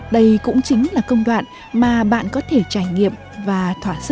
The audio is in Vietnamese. đây cũng chính là khó khăn của sản phẩm này